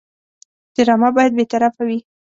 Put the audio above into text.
ډرامه باید بېطرفه وي